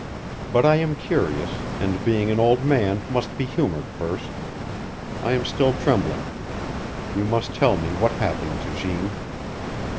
But I am curious, and being an old man must be humored first. I am still trembling. You must tell me what happened to Jeanne."